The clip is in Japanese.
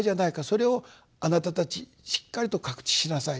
それを貴方たちしっかりと覚知しなさい。